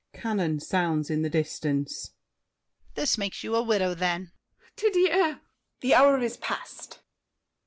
[Cannon sounds in the distance. This makes of you a widow, then! MARION. Didier! THE JAILER. The hour is past.